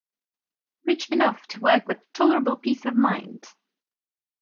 Rich enough to work with tolerable peace of mind?